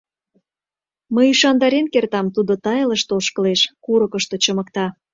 Мый ӱшандарен кертам, тудо тайылыште ошкылеш, курыкышто чымыкта.